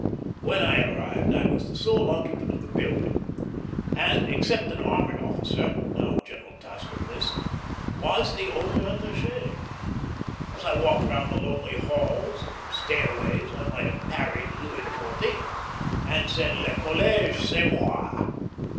When I arrived, I was the sole occupant of the building; and except an army officer now General Tasker Bliss was the only attaché. As I walked round the lonely halls and stairways, I might have parodied Louis XIV., and said, "Le Collège, c'est moi."